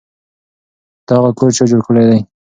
دغه کور چا جوړ کړی دی؟